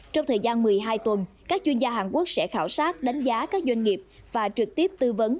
trong thời gian một mươi hai tuần các chuyên gia hàn quốc sẽ khảo sát đánh giá các doanh nghiệp và trực tiếp tư vấn